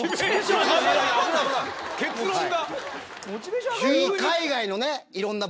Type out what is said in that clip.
結論が。